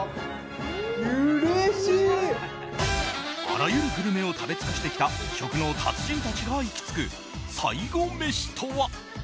あらゆるグルメを食べ尽くしてきた食の達人たちが行き着く最後メシとは。